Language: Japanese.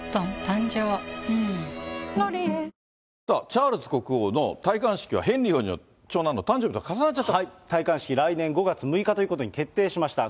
チャールズ国王の戴冠式はヘンリー王子の長男の誕生日と重な戴冠式、来年５月６日ということに決定しました。